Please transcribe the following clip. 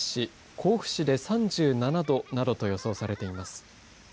甲府市で３７度などと予想されています。